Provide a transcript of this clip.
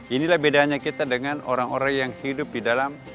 inilah bedanya kita dengan orang orang yang hidup di dalam